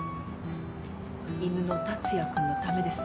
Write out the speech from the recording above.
犬の達也君のためです。